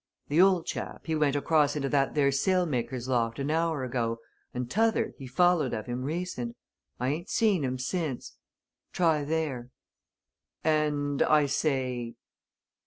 The old chap, he went across into that there sail maker's loft an hour ago, and t'other, he followed of him, recent. I ain't seen 'em since. Try there. And I say?"